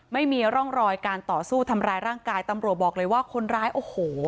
ไม่มีร่องรอยการต่อสู้ทำร้ายร่างกายตำรวจบอกเลยว่าคนร้ายโอ้โห